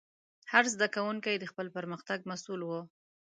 هر زده کوونکی د خپل پرمختګ مسؤل و.